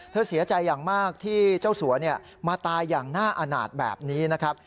เสียใจอย่างมากที่เจ้าสัวมาตายอย่างน่าอาณาจแบบนี้นะครับ